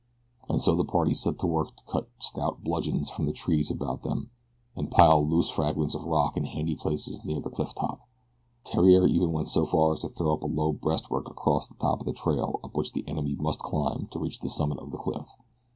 And so the party set to work to cut stout bludgeons from the trees about them, and pile loose fragments of rock in handy places near the cliff top. Theriere even went so far as to throw up a low breastwork across the top of the trail up which the enemy must climb to reach the summit of the cliff.